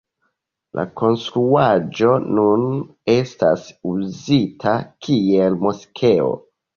La konstruaĵo nun estas uzita kiel moskeo.